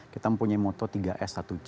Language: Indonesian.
kita mempunyai motto tiga s satu c